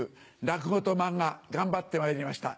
落語と漫画頑張ってまいりました。